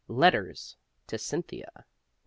LETTERS TO CYNTHIA I.